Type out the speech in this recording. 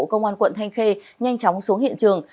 công an quận thanh khê nhanh chóng xuống hiện trường